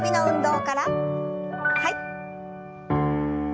はい。